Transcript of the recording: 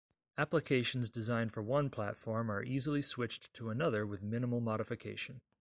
Applications designed for one platform are easily switched to another with minimal modification.